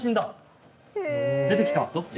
出てきた。